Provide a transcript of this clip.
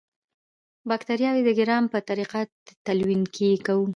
باکټریاوې د ګرام په طریقه تلوین کوو.